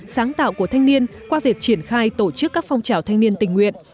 sáng tạo của thanh niên qua việc triển khai tổ chức các phong trào thanh niên tình nguyện